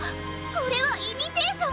これはイミテーション！